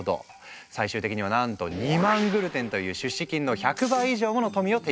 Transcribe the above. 最終的にはなんと２万グルデンという出資金の１００倍以上もの富を手にしたんだ。